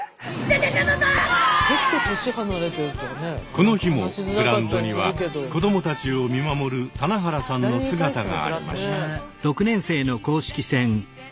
この日もグラウンドには子どもたちを見守る棚原さんの姿がありました。